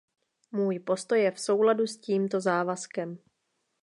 Můj postoj je v souladu s tímto závazkem.